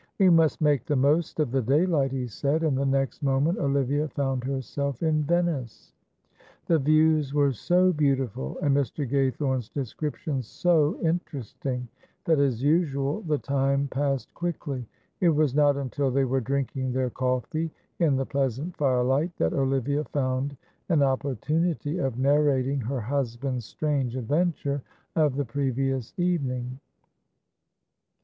"We must make the most of the daylight," he said, and the next moment Olivia found herself in Venice. The views were so beautiful and Mr. Gaythorne's descriptions so interesting, that, as usual, the time passed quickly. It was not until they were drinking their coffee in the pleasant firelight that Olivia found an opportunity of narrating her husband's strange adventure of the previous evening.